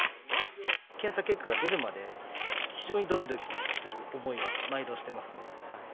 検査結果が出るまで、非常にドキドキする思いは、毎度してますね。